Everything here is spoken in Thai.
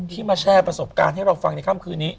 ที่มาแชร์ประสบการณ์ให้เราฟังในค่ำคืนนี้